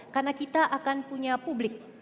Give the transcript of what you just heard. karena kita akan punya publik